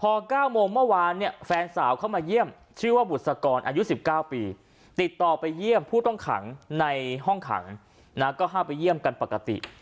พอ๙โมงเมื่อวานเนี่ยแฟนสาวเข้ามาเยี่ยมชื่อว่าบุษกรอายุ๑๙ปีติดต่อไปเยี่ยมผู้ต้องขังในห้องขังนะก็ห้ามไปเยี่ยมกันปกติ